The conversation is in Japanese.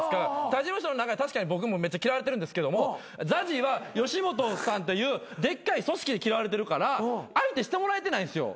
他事務所の中で確かに僕もめっちゃ嫌われてるんですけどＺＡＺＹは吉本さんというでっかい組織に嫌われてるから相手してもらえてないんですよ。